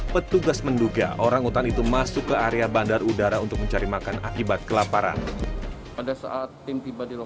petugas menduga orang utan itu masuk ke area bandar udara untuk mencari makan akibat kelaparan